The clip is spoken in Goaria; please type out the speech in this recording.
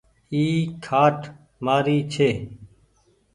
اي کآٽ مآري ڇي